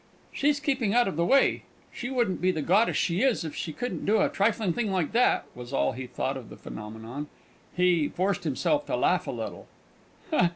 "She's keeping out of the way; she wouldn't be the goddess she is if she couldn't do a trifling thing like that!" was all he thought of the phenomenon. He forced himself to laugh a little.